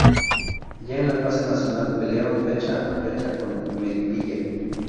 Ya en la Fase Nacional, pelearon fecha a fecha con Melipilla.